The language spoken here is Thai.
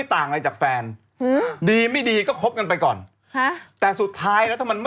ยิงแกบอกว่าไปเย็นเถอะ